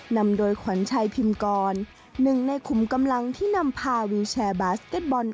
นำโดยขวัญชัยพิมกรหนึ่งในขุมกำลังที่นำพาวิวแชร์บาสเก็ตบอล